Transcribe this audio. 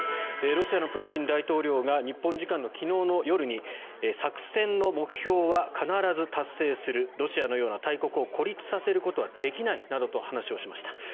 ロシアのプーチン大統領が日本時間の昨日の夜に作戦の目標は必ず達成するロシアのような大国を孤立させることはできないなどと話をしました。